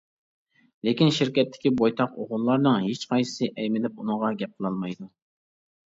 لېكىن شىركەتتىكى بويتاق ئوغۇللارنىڭ ھېچقايسىسى ئەيمىنىپ ئۇنىڭغا گەپ قىلالمايدۇ.